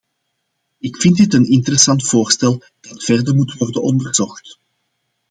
Ik vind dit een interessant voorstel dat verder moet worden onderzocht.